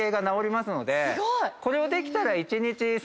これをできたら。